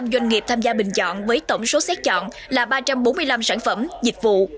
hai trăm tám mươi năm doanh nghiệp tham gia bình chọn với tổng số xét chọn là ba trăm bốn mươi năm sản phẩm dịch vụ